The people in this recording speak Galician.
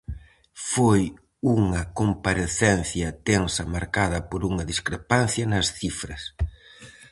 Foi unha comparecencia tensa marcada por unha discrepancia nas cifras.